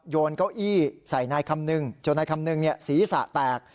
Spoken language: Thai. โยนเก้าอี้ใส่นายคำนึงจนนายคำนึงศีรษะแตก